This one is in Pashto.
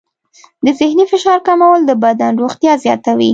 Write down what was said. د ذهني فشار کمول د بدن روغتیا زیاتوي.